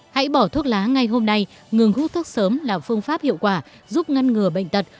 hãy bỏ thuốc lá ngay hôm nay ngừng hút thuốc sớm là phương pháp hiệu quả giúp ngăn ngừa bệnh tật